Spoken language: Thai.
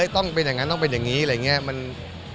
ต้องเป็นอย่างนั้นต้องเป็นอย่างนี้อะไรอย่างนี้